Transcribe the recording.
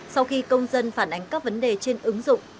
sau khi công dân phản ánh các vấn đề trên ứng dụng